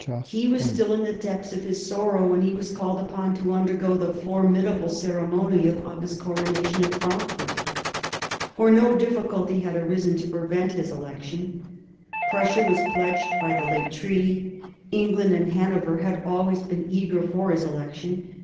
He was still in the depths of his sorrow when he was called upon to undergo the formidable ceremonial of his corona tion at Frankfort. For no difficulty had arisen to prevent his election. Prussia was pledged by the late treaty, England and Hanover had always been eager for his election.